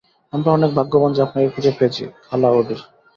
আমরা অনেক ভাগ্যবান যে আপনাকে খুঁজে পেয়েছি, খালা ওডি।